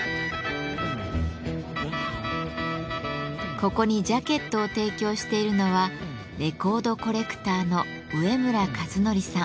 ここにジャケットを提供しているのはレコードコレクターの植村和紀さん。